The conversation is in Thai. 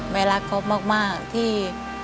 แม่รักกอปมากที่